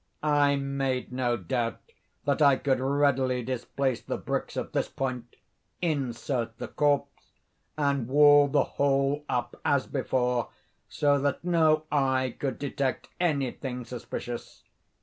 I made no doubt that I could readily displace the bricks at this point, insert the corpse, and wall the whole up as before, so that no eye could detect any thing suspicious.